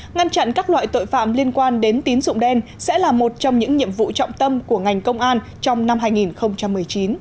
ngăn chặn các loại tội phạm liên quan đến tín dụng đen sẽ là một trong những nhiệm vụ trọng tâm của ngành công an trong năm hai nghìn một mươi chín